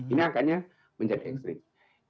ini angkanya menjadi ekstrem